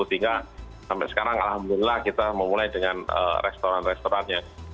sehingga sampai sekarang alhamdulillah kita memulai dengan restoran restorannya